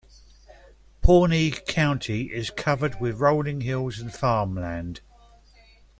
Pawnee County is covered with rolling hills and farmland.